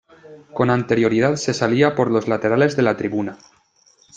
Con anterioridad se salía por los laterales de la tribuna.